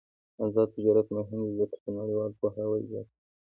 آزاد تجارت مهم دی ځکه چې نړیوال پوهاوی زیاتوي.